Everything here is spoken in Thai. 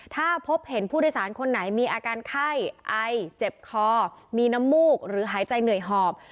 ถ้าพบเห็นผู้โดยสารคนไหนมีอาการไข้ไอเจ็บคอมีน้ำมูกหรือหายใจเหนื่อยหอบ